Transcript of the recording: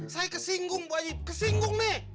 saya kesinggung bu haji kesinggung nih